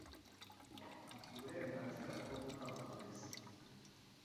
afite uburenganzira bwo guhabwa uburezi